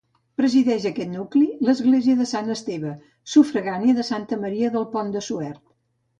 Presideix aquest nucli l'església de sant Esteve, sufragània de Santa Maria del Pont de Suert.